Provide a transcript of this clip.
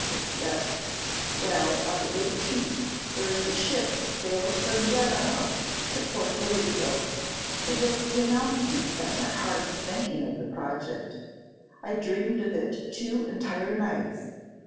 The seventh. Well, on the eighteenth there is a ship sails from Genoa for Porto Rico. It was the announcement set my heart a thinking of the project. I dreamed of it two entire nights.